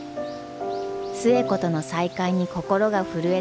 寿恵子との再会に心が震えた万太郎。